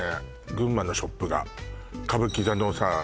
群馬のショップが歌舞伎座のさ